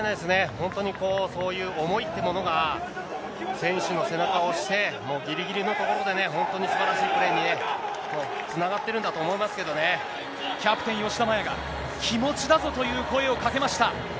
本当にそういう思いってものが、選手の背中を押して、ぎりぎりのところでね、本当にすばらしいプレーにね、つながってるんだと思いますけどキャプテン、吉田麻也が気持ちだぞという声をかけました。